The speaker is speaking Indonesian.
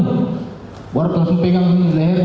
bu langsung pegang lehernya